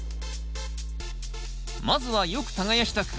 まずはよく耕した区画。